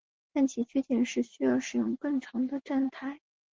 但其缺点是需要使用更长的站台。